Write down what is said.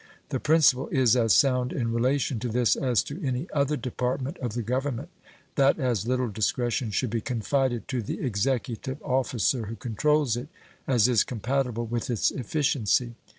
The principle is as sound in relation to this as to any other Department of the Government, that as little discretion should be confided to the executive officer who controls it as is compatible with its efficiency.